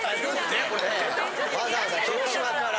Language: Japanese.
わざわざ広島から。